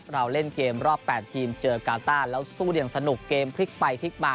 เราเล่นเกมรอบ๘ทีมเจอกาต้าแล้วสู้อย่างสนุกเกมพลิกไปพลิกมา